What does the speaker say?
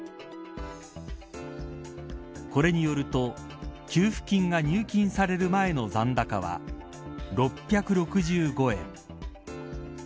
これによると給付金が入金される前の残高は６６５円。